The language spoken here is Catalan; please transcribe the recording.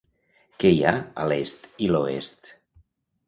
Què hi ha a l'est i l'oest?